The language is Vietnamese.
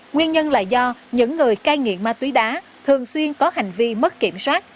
nguyên nhân là do những người cai nghiện ma túy đá thường xuyên có hành vi mất kiểm soát